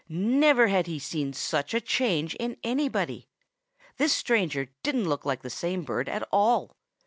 Never had he seen such a change in anybody. This stranger didn't look like the same bird at all.